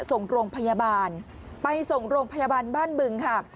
ส่งโรงพยาบาลไปส่งโรงพยาบาลบ้านบึงค่ะ